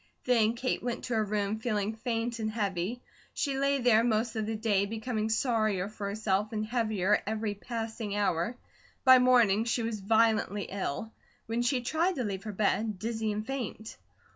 Then Kate went to her room feeling faint and heavy. She lay there most of the day, becoming sorrier for herself, and heavier every passing hour. By morning she was violently ill; when she tried to leave her bed, dizzy and faint.